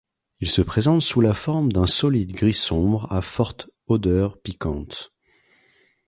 Il se présente sous la forme d'un solide gris sombre à forte odeur piquante.